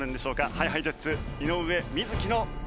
ＨｉＨｉＪｅｔｓ井上瑞稀の挑戦です。